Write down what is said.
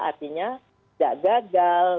artinya tidak gagal